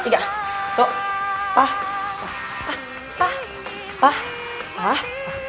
pah pah pah pah pah pah